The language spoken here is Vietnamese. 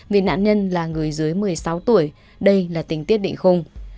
vì nạn nhân là người dưới một mươi sáu tuổi đây là tính tiết định không